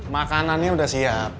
makanannya udah siap